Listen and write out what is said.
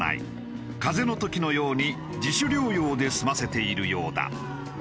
風邪の時のように自主療養で済ませているようだ。